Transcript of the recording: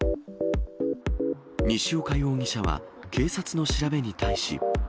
西岡容疑者は警察の調べに対し。